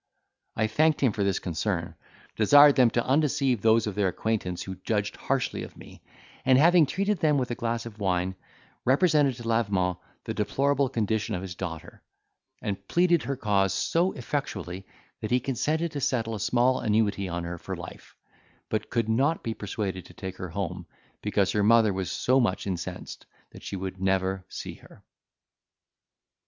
I thanked him for this concern, desired them to undeceive those of their acquaintance who judged harshly of me, and, having treated them with a glass of wine, represented to Lavement the deplorable condition of his daughter, and pleaded her cause so effectually, that he consented to settle a small annuity on her for life: but could not be persuaded to take her home, because her mother was so much incensed, that she would never see her.